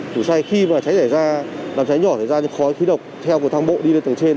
ngủ say khi mà cháy chảy ra làm cháy nhỏ thì ra khói khí độc theo một thang bộ đi lên tầng trên